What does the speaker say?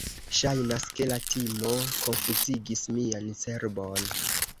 Ŝajnas, ke la timo konfuzigis mian cerbon.